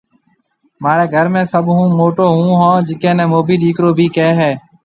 مهاري گهر ۾ سڀ هون موٽو هون هون جيڪنَي موڀي ڏيڪرو بهيَ ڪهيَ هيَ